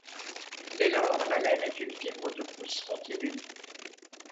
Dès lors la laine est une fibre de pousse continue.